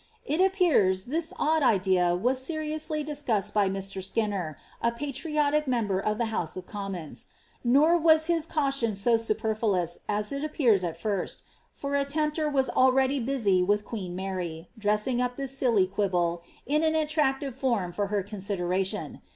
^ It appears, this odd idea was seriously discussed by Mr. Skinner, t patriotic member of the house of commons ; nor was hie caution so superfluous as it appears at first sight, for a tempter was already busr with queen Mary, dressing up this silly quibble in an attractive form for her consideration.